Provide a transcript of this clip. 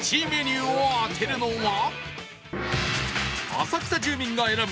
浅草住民が選ぶ